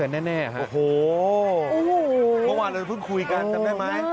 แน่ครับโอ้โหเมื่อวานเราเพิ่งคุยกันจำได้ไหม